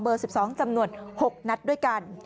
๑๒จำนวน๖นัดด้วยกัน